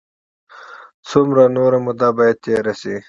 څومره نوره موده باید تېره شي.